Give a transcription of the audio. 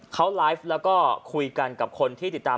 เขาไลฟ์แล้วก็คุยกันกับคนที่ติดตาม